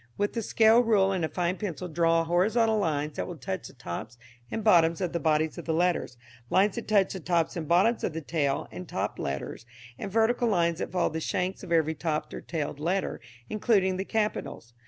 With the scale rule and a fine pencil draw horizontal lines that will touch the tops and bottoms of the bodies of the letters, lines that touch the tops and bottoms of the tailed and topped letters, and vertical lines that follow the shanks of every topped or tailed letter, including the capitals.